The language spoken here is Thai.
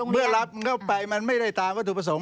เมื่อรับมันเข้าไปมันไม่ได้ตามวัตถุประสงค์